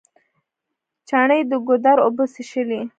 چڼې د ګودر اوبه څښلې.